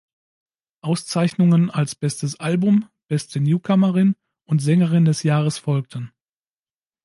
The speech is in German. Auszeichnungen als bestes Album, beste Newcomerin und Sängerin des Jahres folgten.